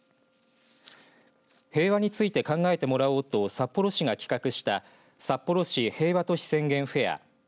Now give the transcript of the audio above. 平和について考えてもらおうと札幌市が企画した札幌市平和都市宣言フェア。